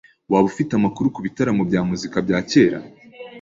Waba ufite amakuru kubitaramo bya muzika bya kera?